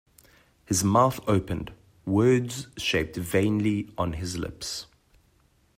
His mouth opened; words shaped vainly on his lips.